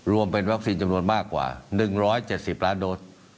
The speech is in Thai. รวมเป็นวัคซีนจำนวนมากกว่า๑๗๐ล้านโดส